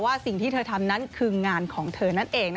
สิ่งที่เธอทำนั้นคืองานของเธอนั่นเอง